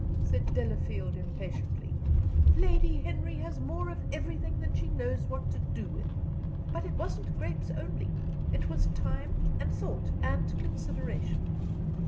said Delafield, impatiently. "Lady Henry has more of everything than she knows what to do with. But it wasn't grapes only! It was time and thought and consideration.